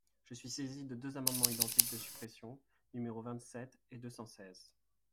Je suis saisie de deux amendements identiques de suppression, numéros vingt-sept et deux cent seize.